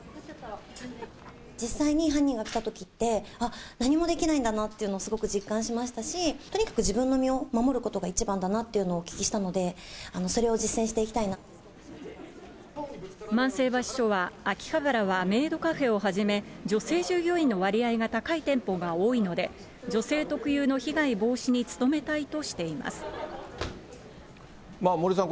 実際に犯人が来たときって、あっ、何もできないんだなっていうのをすごく実感しましたし、とにかく自分の身を守ることが一番だということをお聞きしたので、万世橋署は、秋葉原はメイドカフェをはじめ、女性従業員の割合が高い店舗が多いので、女性特有の被害防止に努森さん